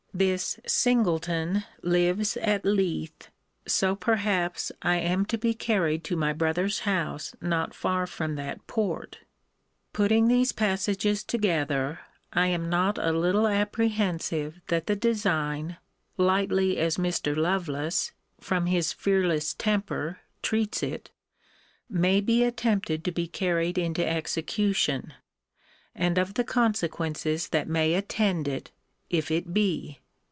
This Singleton lives at Leith; so, perhaps, I am to be carried to my brother's house not far from that port. Putting these passages together, I am not a little apprehensive that the design, lightly as Mr. Lovelace, from his fearless temper, treats it, may be attempted to be carried into execution; and of the consequences that may attend it, if it be.